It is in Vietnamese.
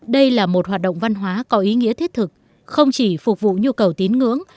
đây là một hoạt động văn hóa có ý nghĩa thiết thực không chỉ phục vụ nhu cầu tín ngưỡng